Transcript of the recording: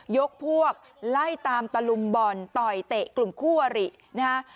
ยกพวกไล่ตามตะลุมบ่อนต่อยเตะกลุ่มคู่อรินะฮะ